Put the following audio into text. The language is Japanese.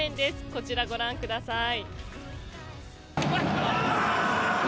こちらご覧ください。